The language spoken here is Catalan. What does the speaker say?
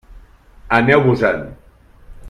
Aneu-vos-en!